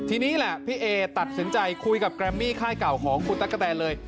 ทีนี้แหละพี่เอตัดสินใจคุยกับแกรมมี่ค่ายเก่าของคุณตั๊กกะแตนเลย